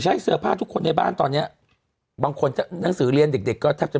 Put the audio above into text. เสื้อผ้าทุกคนในบ้านตอนเนี้ยบางคนถ้าหนังสือเรียนเด็กเด็กก็แทบจะ